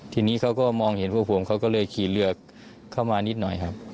ทีนี้เขาก็มองเห็นพวกผมเขาก็เลยขี่เรือเข้ามานิดหน่อยครับ